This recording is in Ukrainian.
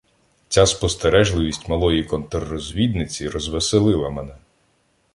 Ця спостережливість малої "контррозвідниці" розвеселила мене.